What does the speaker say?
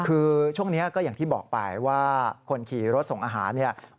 คือช่วงนี้ก็อย่างที่บอกไปว่าคนขี่รถส่งอาหารเนี่ย